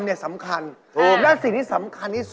เหมือนมีไปตั้งจริง